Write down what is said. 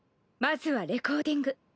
まずはレコーディング。